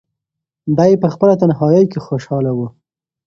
دی په خپل تنهایۍ کې خوشحاله و.